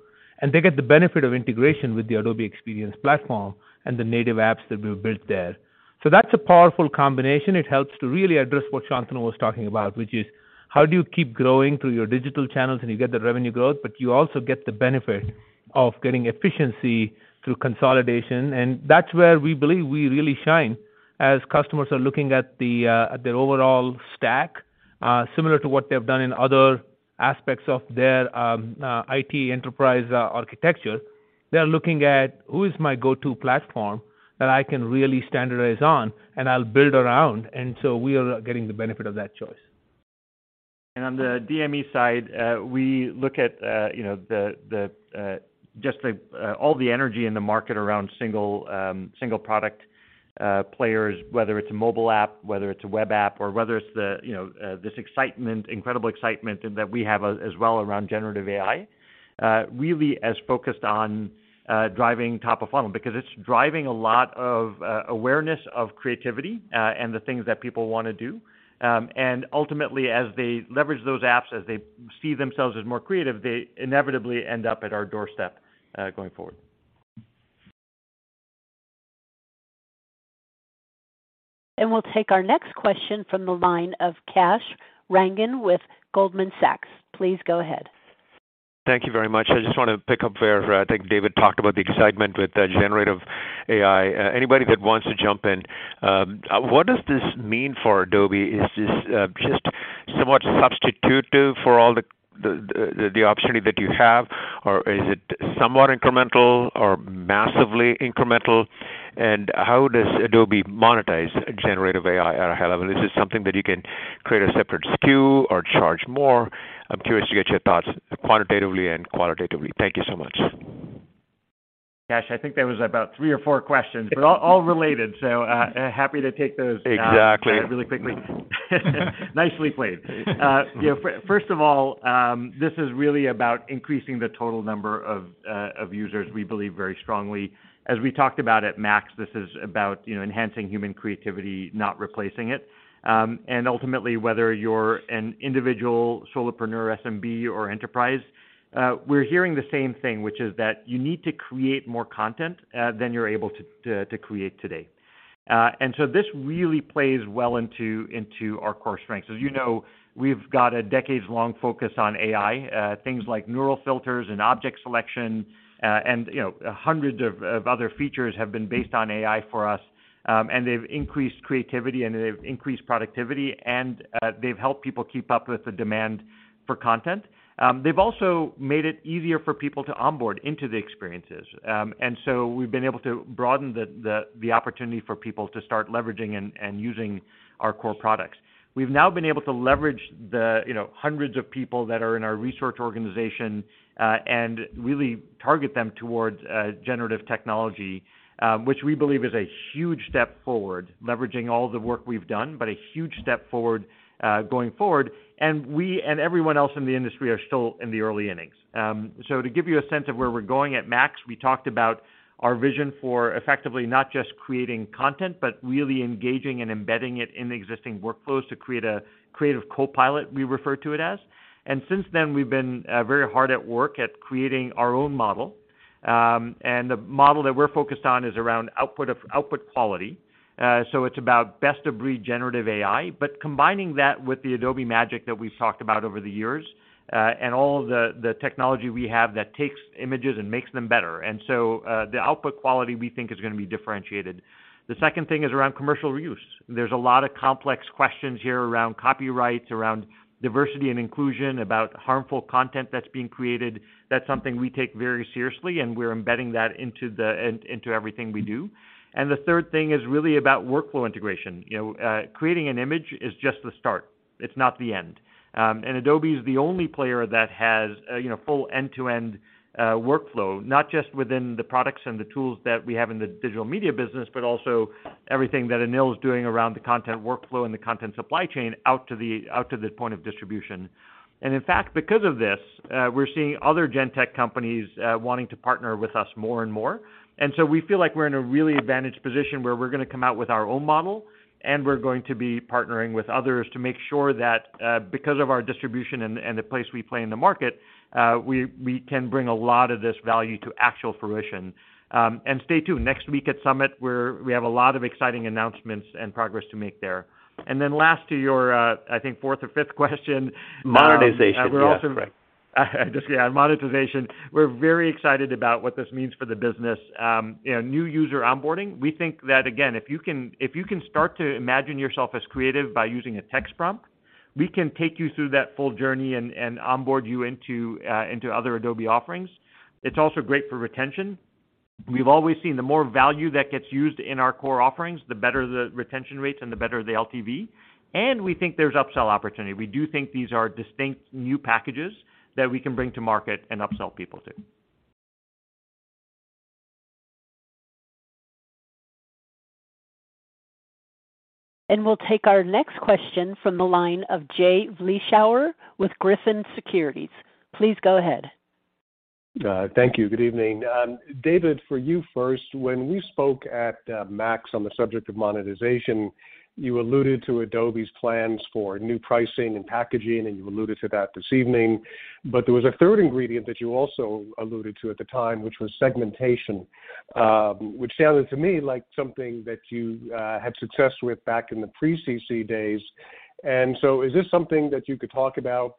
They get the benefit of integration with the Adobe Experience Platform and the native apps that we've built there. That's a powerful combination. It helps to really address what Shantanu was talking about, which is how do you keep growing through your digital channels, you get the revenue growth, but you also get the benefit of getting efficiency through consolidation. That's where we believe we really shine as customers are looking at their overall stack, similar to what they've done in other aspects of their IT enterprise architecture. They're looking at who is my go-to platform that I can really standardize on, and I'll build around. We are getting the benefit of that choice. On the DME side, we look at all the energy in the market around single product players, whether it's a mobile app, whether it's a web app, or whether it's this excitement, incredible excitement that we have as well around generative AI, really as focused on driving top of funnel because it's driving a lot of awareness of creativity and the things that people wanna do. Ultimately, as they leverage those apps, as they see themselves as more creative, they inevitably end up at our doorstep going forward. We'll take our next question from the line of Kash Rangan with Goldman Sachs. Please go ahead. Thank you very much. I just want to pick up where I think David talked about the excitement with the generative AI. Anybody that wants to jump in, what does this mean for Adobe? Is this just somewhat substitutive for all the opportunity that you have, or is it somewhat incremental or massively incremental? How does Adobe monetize generative AI at a high level? Is this something that you can create a separate SKU or charge more? I'm curious to get your thoughts quantitatively and qualitatively. Thank you so much. Gosh, I think there was about 3 or 4 questions, but all related, so, happy to take those. Exactly really quickly. Nicely played. you know, first of all, this is really about increasing the total number of users. We believe very strongly. As we talked about at MAX, this is about, you know, enhancing human creativity, not replacing it. Ultimately, whether you're an individual solopreneur, SMB or enterprise, we're hearing the same thing, which is that you need to create more content than you're able to create today. This really plays well into our core strengths. As you know, we've got a decades long focus on AI, things like neural filters and object selection, and you know, hundreds of other features have been based on AI for us. They've increased creativity, and they've increased productivity, and they've helped people keep up with the demand for content. They've also made it easier for people to onboard into the experiences. We've been able to broaden the opportunity for people to start leveraging and using our core products. We've now been able to leverage the, you know, hundreds of people that are in our research organization and really target them towards generative technology, which we believe is a huge step forward, leveraging all the work we've done, but a huge step forward going forward. We and everyone else in the industry are still in the early innings. To give you a sense of where we're going at Adobe MAX, we talked about our vision for effectively not just creating content, but really engaging and embedding it in the existing workflows to create a creative co-pilot, we refer to it as. Since then we've been very hard at work at creating our own model. The model that we're focused on is around output quality. It's about best of breed generative AI, but combining that with the Adobe magic that we've talked about over the years, and all the technology we have that takes images and makes them better. The output quality we think is gonna be differentiated. The second thing is around commercial reuse. There's a lot of complex questions here around copyrights, around diversity and inclusion, about harmful content that's being created. That's something we take very seriously, and we're embedding that into everything we do. The third thing is really about workflow integration. You know, creating an image is just the start. It's not the end. Adobe is the only player that has, you know, full end-to-end workflow, not just within the products and the tools that we have in the digital media business, but also everything that Anil is doing around the content workflow and the content supply chain out to the point of distribution. In fact, because of this, we're seeing other gen tech companies wanting to partner with us more and more. We feel like we're in a really advantaged position where we're gonna come out with our own model, and we're going to be partnering with others to make sure that, because of our distribution and the place we play in the market, we can bring a lot of this value to actual fruition. Stay tuned. Next week at Summit, we have a lot of exciting announcements and progress to make there. last to your, I think fourth or fifth question-. Monetization. Yeah. Correct. Monetization. We're very excited about what this means for the business. You know, new user onboarding. We think that, again, if you can start to imagine yourself as creative by using a text prompt, we can take you through that full journey and onboard you into other Adobe offerings. It's also great for retention. We've always seen the more value that gets used in our core offerings, the better the retention rates and the better the LTV. We think there's upsell opportunity. We do think these are distinct new packages that we can bring to market and upsell people to. We'll take our next question from the line of Jay Vleeschhouwer with Griffin Securities. Please go ahead. Thank you. Good evening. David, for you first, when we spoke at Adobe MAX on the subject of monetization, you alluded to Adobe's plans for new pricing and packaging, and you alluded to that this evening. There was a third ingredient that you also alluded to at the time, which was segmentation, which sounded to me like something that you had success with back in the pre-CC days. Is this something that you could talk about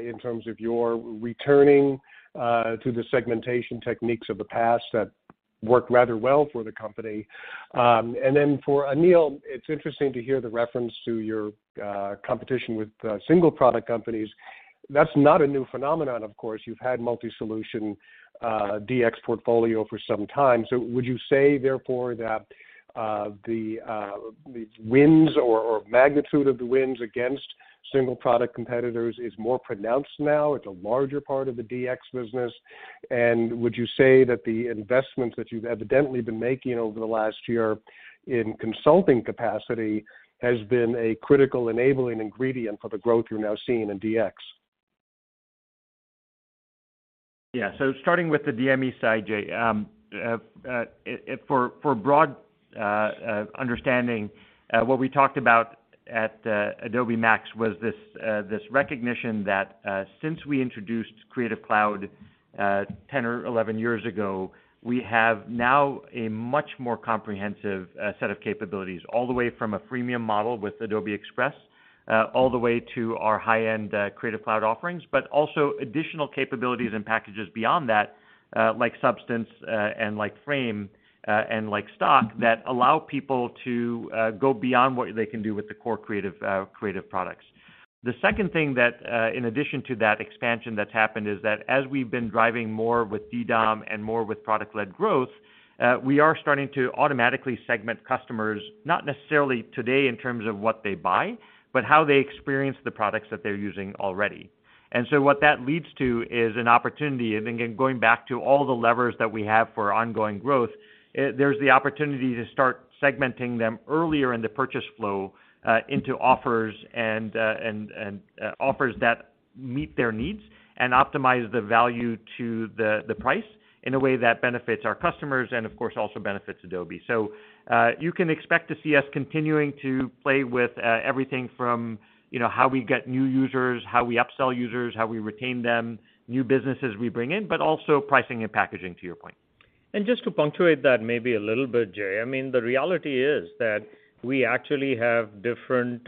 in terms of your returning to the segmentation techniques of the past that worked rather well for the company? For Anil, it's interesting to hear the reference to your competition with single product companies. That's not a new phenomenon, of course. You've had multi-solution, DX portfolio for some time. Would you say therefore that, the wins or magnitude of the wins against single product competitors is more pronounced now? It's a larger part of the DX business. Would you say that the investments that you've evidently been making over the last year in consulting capacity has been a critical enabling ingredient for the growth you're now seeing in DX? Yeah. Starting with the DME side, Jay. It for broad understanding, what we talked about at Adobe MAX was this recognition that since we introduced Creative Cloud 10 or 11 years ago, we have now a much more comprehensive set of capabilities. All the way from a freemium model with Adobe Express, all the way to our high-end Creative Cloud offerings, but also additional capabilities and packages beyond that, like Substance, and like Frame.io, and like Stock, that allow people to go beyond what they can do with the core creative creative products The second thing that, in addition to that expansion that's happened, is that as we've been driving more with DDOM and more with product-led growth, we are starting to automatically segment customers, not necessarily today in terms of what they buy, but how they experience the products that they're using already. So what that leads to is an opportunity, I think, in going back to all the levers that we have for ongoing growth, there's the opportunity to start segmenting them earlier in the purchase flow, into offers and offers that meet their needs and optimize the value to the price in a way that benefits our customers and of course also benefits Adobe. You can expect to see us continuing to play with, everything from, you know, how we get new users, how we upsell users, how we retain them, new businesses we bring in, but also pricing and packaging to your point. Just to punctuate that maybe a little bit, Jay, I mean, the reality is that we actually have different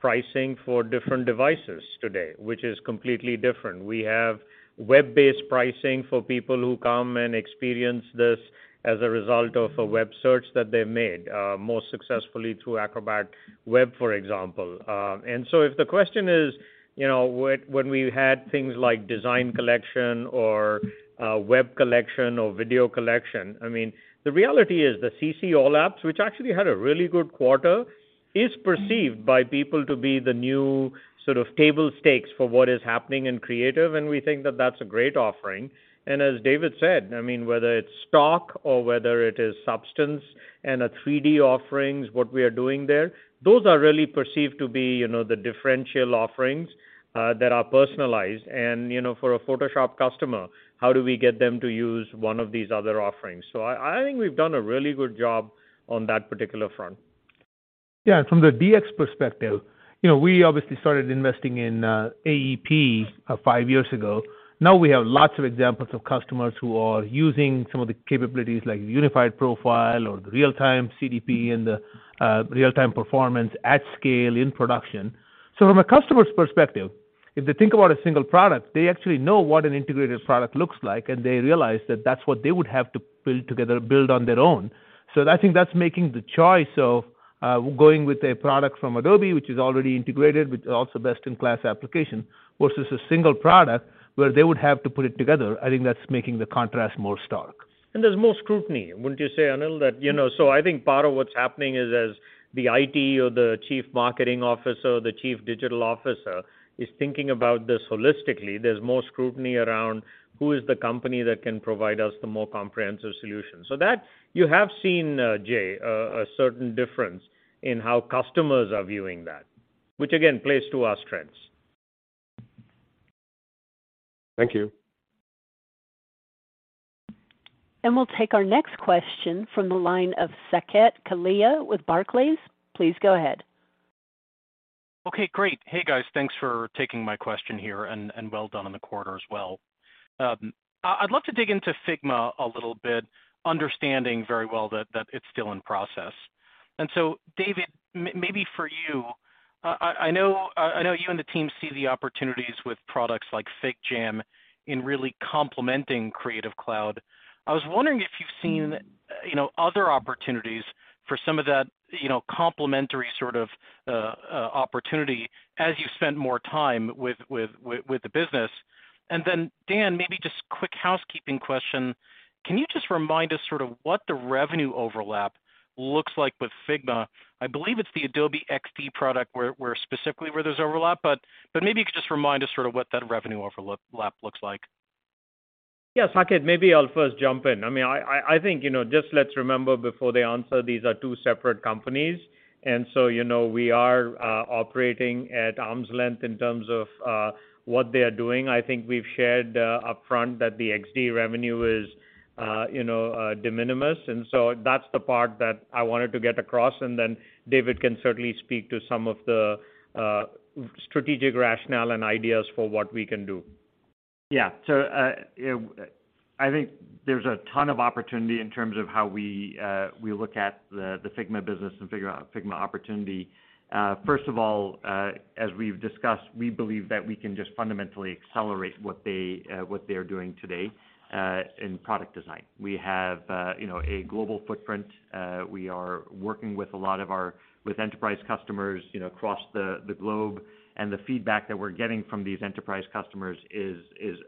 pricing for different devices today, which is completely different. We have web-based pricing for people who come and experience this as a result of a web search that they made, most successfully through Acrobat Web, for example. If the question is, you know, when we had things like design collection or web collection or video collection, I mean, the reality is the CC All Apps, which actually had a really good quarter, is perceived by people to be the new sort of table stakes for what is happening in creative, and we think that that's a great offering. As David said, I mean, whether it's Stock or whether it is Substance 3D offerings, what we are doing there, those are really perceived to be, you know, the differential offerings that are personalized. You know, for a Photoshop customer, how do we get them to use one of these other offerings? I think we've done a really good job on that particular front. Yeah, from the DX perspective, you know, we obviously started investing in AEP 5 years ago. Now we have lots of examples of customers who are using some of the capabilities like unified profile or the real-time CDP and the real-time performance at scale in production. From a customer's perspective, if they think about a single product, they actually know what an integrated product looks like, and they realize that that's what they would have to build together, build on their own. I think that's making the choice of going with a product from Adobe, which is already integrated, with also best-in-class application, versus a single product where they would have to put it together. I think that's making the contrast more stark. There's more scrutiny, wouldn't you say, Anil? You know, I think part of what's happening is as the IT or the chief marketing officer or the chief digital officer is thinking about this holistically, there's more scrutiny around who is the company that can provide us the more comprehensive solution. That you have seen, Jay, a certain difference in how customers are viewing that, which again, plays to our strengths. Thank you. We'll take our next question from the line of Saket Kalia with Barclays. Please go ahead. Okay, great. Hey guys, thanks for taking my question here and well done on the quarter as well. I'd love to dig into Figma a little bit, understanding very well that it's still in process. So David, maybe for you, I know, I know you and the team see the opportunities with products like FigJam in really complementing Creative Cloud. I was wondering if you've seen, you know, other opportunities for some of that, you know, complementary sort of opportunity as you've spent more time with the business. Then Dan, maybe just quick housekeeping question. Can you just remind us sort of what the revenue overlap looks like with Figma? I believe it's the Adobe XD product where specifically where there's overlap, but maybe you could just remind us sort of what that revenue overlap looks like. Yeah, Saket, maybe I'll first jump in. I mean, I think, you know, just let's remember before they answer, these are two separate companies. You know, we are operating at arm's length in terms of what they are doing. I think we've shared upfront that the XD revenue is, you know, de minimis. That's the part that I wanted to get across. Then David can certainly speak to some of the strategic rationale and ideas for what we can do. I think there's a ton of opportunity in terms of how we look at the Figma business and figure out Figma opportunity. First of all, as we've discussed, we believe that we can just fundamentally accelerate what they're doing today in product design. We have, you know, a global footprint. We are working with a lot of our enterprise customers, you know, across the globe. The feedback that we're getting from these enterprise customers is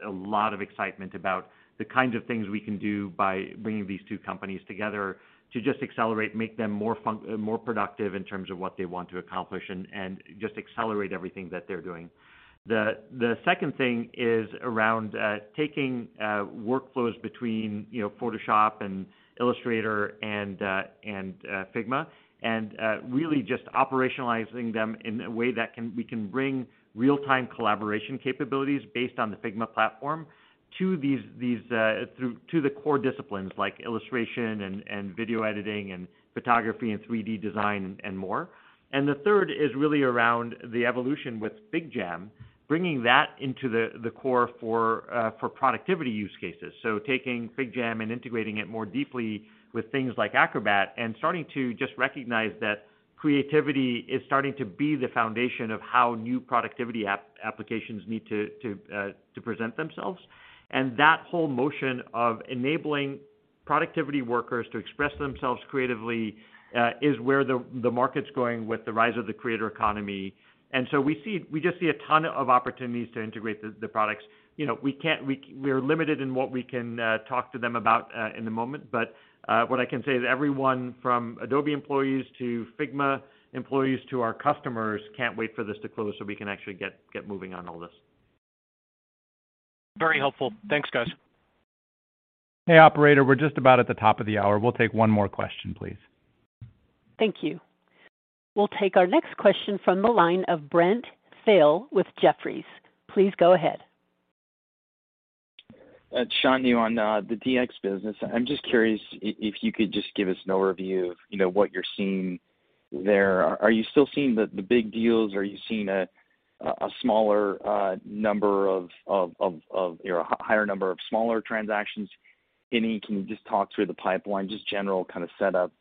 a lot of excitement about the kinds of things we can do by bringing these two companies together to just accelerate, make them more productive in terms of what they want to accomplish and just accelerate everything that they're doing. The second thing is around taking workflows between, you know, Photoshop and Illustrator and Figma, and really just operationalizing them in a way that we can bring real-time collaboration capabilities based on the Figma platform to these, to the core disciplines like illustration and video editing and photography and 3D design and more. The third is really around the evolution with FigJam, bringing that into the core for productivity use cases. Taking FigJam and integrating it more deeply with things like Acrobat, and starting to just recognize that creativity is starting to be the foundation of how new productivity applications need to present themselves. That whole motion of enabling productivity workers to express themselves creatively is where the market's going with the rise of the creator economy. We just see a ton of opportunities to integrate the products. You know, we're limited in what we can talk to them about in the moment. What I can say is everyone from Adobe employees to Figma employees to our customers can't wait for this to close so we can actually get moving on all this. Very helpful. Thanks, guys. Hey, Operator. We're just about at the top of the hour. We'll take one more question, please. Thank you. We'll take our next question from the line of Brent Thill with Jefferies. Please go ahead. Shantanu, on the DX business, I'm just curious if you could just give us an overview of, you know, what you're seeing there. Are you still seeing the big deals? Are you seeing a smaller number of, you know, a higher number of smaller transactions? Can you just talk through the pipeline, just general kind of setup,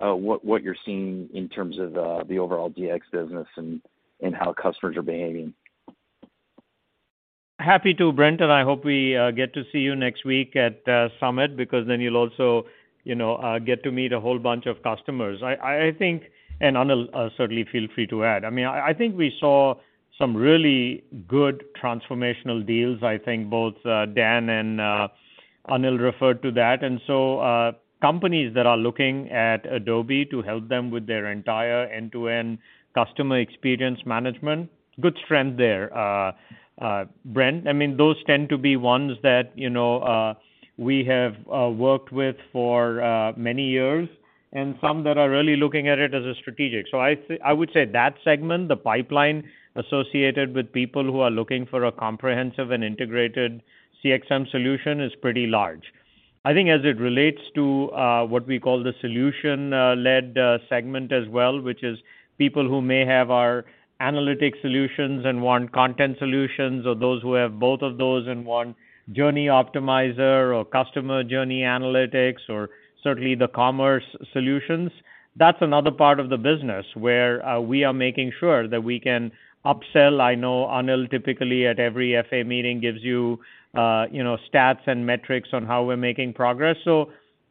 what you're seeing in terms of the overall DX business and how customers are behaving? Happy to, Brent, and I hope we get to see you next week at Summit, because then you'll also, you know, get to meet a whole bunch of customers. I think, and Anil, certainly feel free to add. I mean, I think we saw some really good transformational deals. I think both Dan and Anil referred to that. Companies that are looking at Adobe to help them with their entire end-to-end customer experience management, good strength there, Brent. I mean, those tend to be ones that, you know, we have worked with for many years, and some that are really looking at it as a strategic. I would say that segment, the pipeline associated with people who are looking for a comprehensive and integrated CXM solution is pretty large. I think as it relates to what we call the solution led segment as well, which is people who may have our analytic solutions and want content solutions or those who have both of those and want Journey Optimizer or Customer Journey Analytics or certainly the commerce solutions, that's another part of the business where we are making sure that we can upsell. I know Anil, typically at every FA meeting, gives you know, stats and metrics on how we're making progress.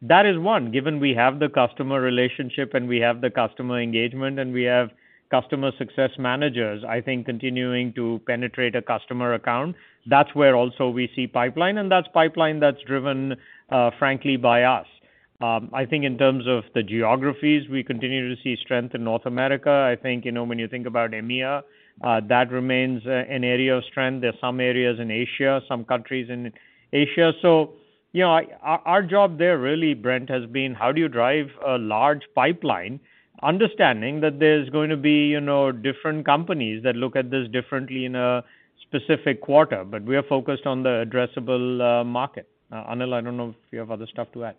That is one, given we have the customer relationship, and we have the customer engagement, and we have customer success managers. I think continuing to penetrate a customer account, that's where also we see pipeline, and that's pipeline that's driven, frankly, by us. I think in terms of the geographies, we continue to see strength in North America. I think, you know, when you think about EMEA, that remains an area of strength. There's some areas in Asia, some countries in Asia. You know, our job there really, Brent, has been how do you drive a large pipeline understanding that there's going to be, you know, different companies that look at this differently in a specific quarter. We are focused on the addressable, market. Anil, I don't know if you have other stuff to add.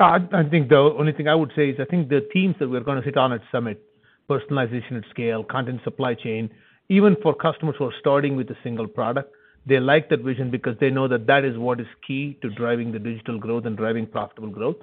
No, I think the only thing I would say is I think the themes that we're gonna hit on at Summit, personalization at scale, content supply chain, even for customers who are starting with a single product, they like that vision because they know that that is what is key to driving the digital growth and driving profitable growth.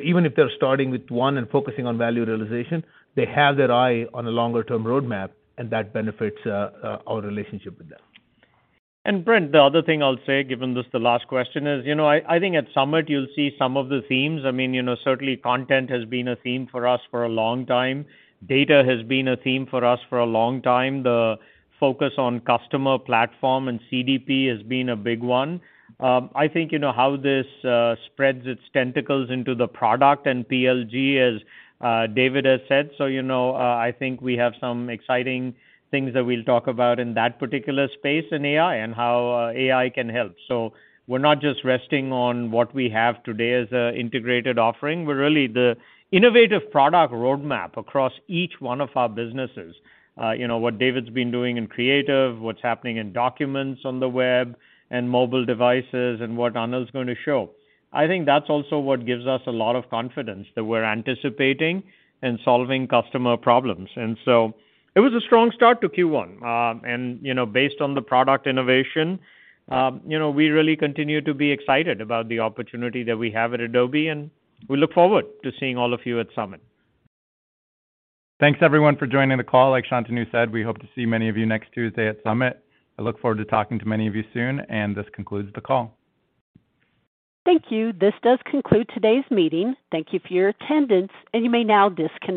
Even if they're starting with one and focusing on value realization, they have their eye on a longer term roadmap, and that benefits our relationship with them. Brent, the other thing I'll say, given this the last question is, you know, I think at Summit, you'll see some of the themes. I mean, you know, certainly content has been a theme for us for a long time. Data has been a theme for us for a long time. The focus on customer platform and CDP has been a big one. I think you know how this spreads its tentacles into the product and PLG as David has said. You know, I think we have some exciting things that we'll talk about in that particular space in AI and how AI can help. We're not just resting on what we have today as a integrated offering. We're really the innovative product roadmap across each one of our businesses. you know, what David's been doing in creative, what's happening in documents on the web and mobile devices, and what Anil's gonna show. I think that's also what gives us a lot of confidence that we're anticipating and solving customer problems. It was a strong start to Q1. you know, based on the product innovation, you know, we really continue to be excited about the opportunity that we have at Adobe, and we look forward to seeing all of you at Summit. Thanks, everyone, for joining the call. Like Shantanu said, we hope to see many of you next Tuesday at Summit. I look forward to talking to many of you soon. This concludes the call. Thank you. This does conclude today's meeting. Thank you for your attendance, and you may now disconnect.